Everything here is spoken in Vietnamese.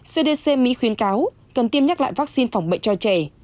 cdc mỹ khuyến cáo cần tiêm nhắc lại vaccine phòng bệnh cho trẻ